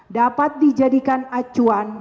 dapat dijadikan acuan